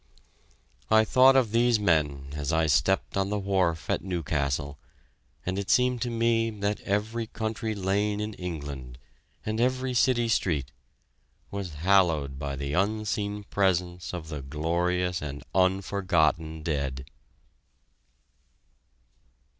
I thought of these men as I stepped on the wharf at Newcastle, and it seemed to me that every country lane in England and every city street was hallowed by the unseen presence of the glorious and unforgotten dead!